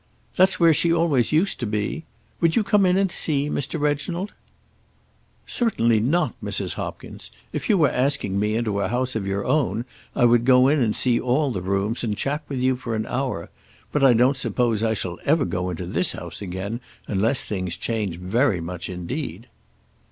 "That's where she always used to be. Would you come in and see, Mr. Reginald?" "Certainly not, Mrs. Hopkins. If you were asking me into a house of your own, I would go in and see all the rooms and chat with you for an hour; but I don't suppose I shall ever go into this house again unless things change very much indeed."